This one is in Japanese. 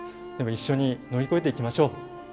でも、一緒に乗り越えていきましょう。